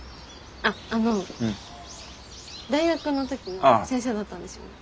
あっあの大学の時の先生だったんですよね。